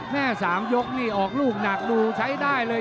๓ยกนี่ออกลูกหนักดูใช้ได้เลย